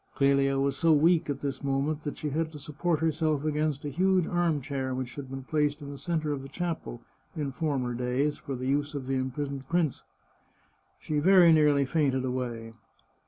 Clelia was so weak at this moment that she had to support herself against a huge arm chair which had been •\ 377 The Chartreuse of Parma placed in the centre of the chapel in former days for the use of the imprisoned prince. She very nearly fainted away.